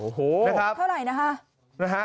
โอ้โหเท่าไหร่นะฮะ